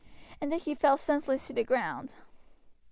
and then she fell senseless to the ground.